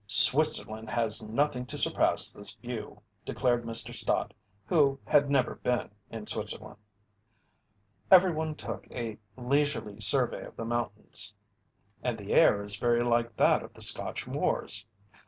"Switzerland has nothing to surpass this view!" declared Mr. Stott, who had never been in Switzerland. Everyone took a leisurely survey of the mountains. "And the air is very like that of the Scotch moors."